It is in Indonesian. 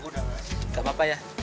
gak apa apa ya